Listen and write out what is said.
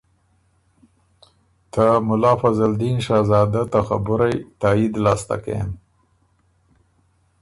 ته مُلا فضل دین شهزاده ته خبُرئ تائید لاسته کېم۔